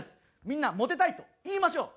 みんな「モテたい」と言いましょう。